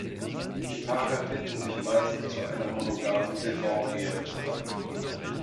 Die Paare finden sich meist zu einer monogamen Saisonehe zusammen.